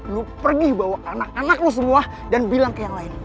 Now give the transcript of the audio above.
lu pergi bawa anak anak lo semua dan bilang ke yang lain